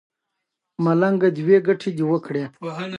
که وجدان ارام وي، ژوند خوږ وي.